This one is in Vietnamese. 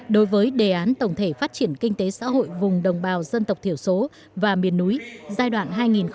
đối với đề án tổng thể phát triển kinh tế xã hội vùng đồng bào dân tộc thiểu số và miền núi giai đoạn hai nghìn hai mươi một hai nghìn ba mươi